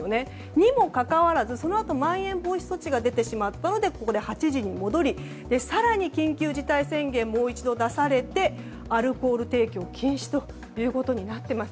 にもかかわらず、そのあとまん延防止措置が出てしまってここで８時に戻り更に緊急事態宣言がもう一度、出されてアルコール提供禁止ということになっています。